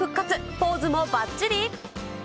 ポーズもばっちり。